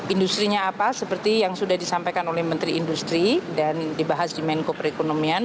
industrinya apa seperti yang sudah disampaikan oleh menteri industri dan dibahas di menko perekonomian